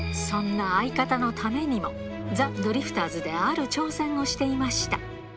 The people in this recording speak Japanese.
そんな相方のためにも、ザ・ドリフターズである挑戦もしていました。